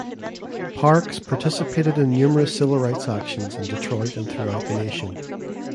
Parks participated in numerous civil rights actions in Detroit and throughout the nation.